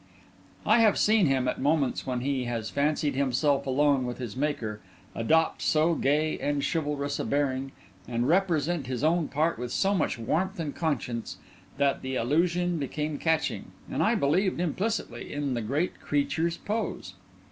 I have seen him, at moments when he has fancied himself alone with his Maker, adopt so gay and chivalrous a bearing, and represent his own part with so much warmth and conscience, that the illusion became catching, and I believed implicitly in the Great Creature's pose.